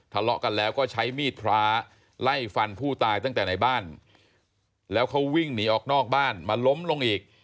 ทะเลาะกันแล้วก็ใช้มีดพระไล่ฟันผู้ตายตั้งแต่ในบ้านแล้วเขาวิ่งหนีออกนอกบ้านมาล้มลงอีก